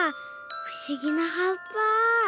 ふしぎなはっぱ。